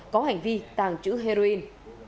có hành vi tàng trữ heroin